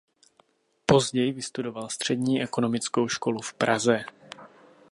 Později vystudoval Střední ekonomickou školu v Praze.